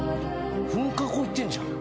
噴火口行ってんじゃん！